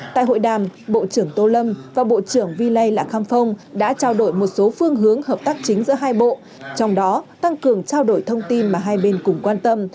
tại hội đàm bộ trưởng tô lâm và bộ trưởng vy lai lạc kham phong đã trao đổi một số phương hướng hợp tác chính giữa hai bộ trong đó tăng cường trao đổi thông tin mà hai bên cùng quan tâm